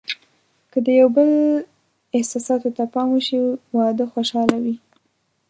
که د یو بل احساساتو ته پام وشي، واده خوشحاله وي.